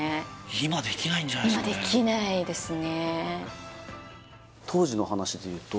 今できないんじゃないですかね